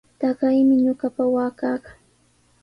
Taqaymi ñuqapa waakaqa.